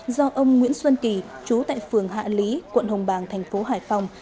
do ông nguyễn xuân kỳ chú tại phường hạ lý quận hồng bàng thành phố hải phòng